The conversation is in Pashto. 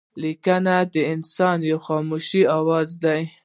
لیکنه د انسان یو خاموشه آواز دئ.